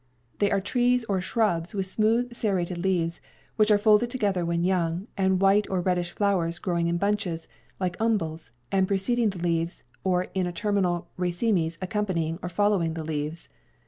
They are trees or shrubs with smooth serrated leaves, which are folded together when young, and white or reddish flowers growing in bunches, like umbels, and preceding the leaves or in terminal racemes accompanying or following the leaves.